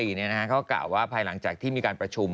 รัฐมนตร์บอกว่ารังจากที่มีการประชุม